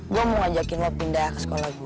gue mau ngajakin mau pindah ke sekolah gue